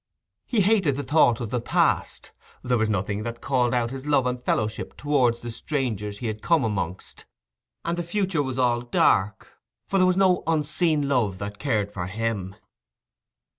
He hated the thought of the past; there was nothing that called out his love and fellowship toward the strangers he had come amongst; and the future was all dark, for there was no Unseen Love that cared for him.